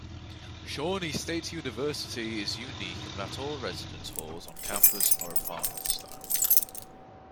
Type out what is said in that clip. Shawnee State University is unique in that all residence halls on campus are apartment-style.